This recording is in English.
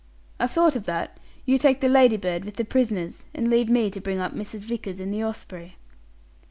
"I've thought of that. You take the Ladybird with the prisoners, and leave me to bring up Mrs. Vickers in the Osprey."